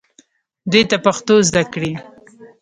دوی ته پښتو زده کړئ